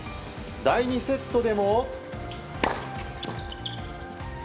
第２セットでも。